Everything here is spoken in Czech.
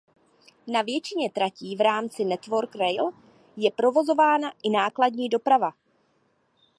Na většině tratí v rámci "Network Rail" je provozována i nákladní doprava.